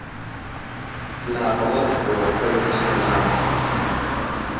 نابهڵەد بووه ئهو هیچ نەزانه